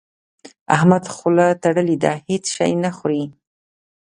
احمد خوله تړلې ده؛ هيڅ شی نه خوري.